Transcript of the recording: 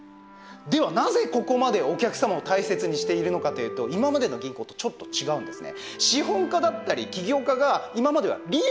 ではなぜここまでお客様を大切にしているのかというと今までの銀行とちょっと違うんですね。